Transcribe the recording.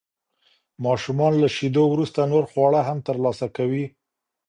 ماشومان له شیدو وروسته نور خواړه هم ترلاسه کوي.